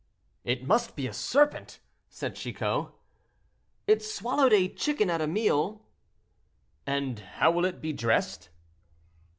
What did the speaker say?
"It must be a serpent!" said Chicot. "It swallowed a chicken at a meal." "And how will it be dressed?"